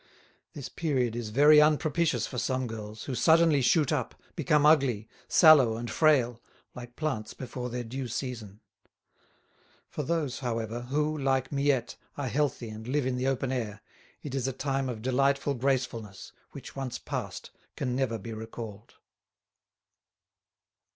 This period is very unpropitious for some girls, who suddenly shoot up, become ugly, sallow and frail, like plants before their due season. For those, however, who, like Miette, are healthy and live in the open air, it is a time of delightful gracefulness which once passed can never be recalled.